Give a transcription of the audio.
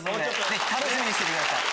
ぜひ楽しみにしてください。